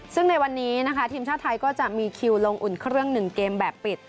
ซึ่งในวันนี้นะคะทีมชาติไทยก็จะมีคิวลงอุ่นเครื่อง๑เกมแบบปิด